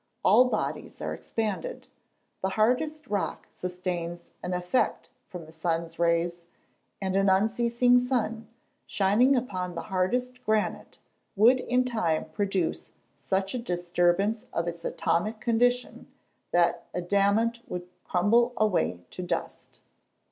All bodies are expanded. The hardest rock sustains an effect from the sun's rays; and an unceasing sun, shining upon the hardest granite, would in time produce such a disturbance of its atomic condition, that adamant would crumble away to dust.